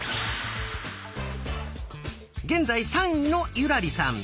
現在３位の優良梨さん。